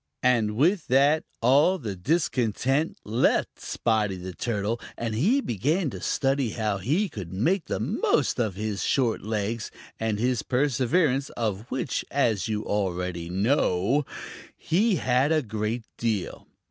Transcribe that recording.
And with that, all the discontent left Spotty the Turtle, and he began to study how he could make the most of his short legs and his perseverance, of which, as you already know, he had a great deal.